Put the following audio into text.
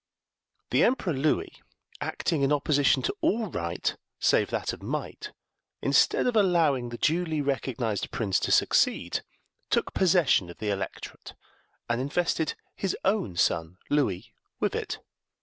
The Emperor Louis, acting in opposition to all right, save that of might, instead of allowing the duly recognized prince to succeed, took possession of the electorate, and invested his own son Louis with it.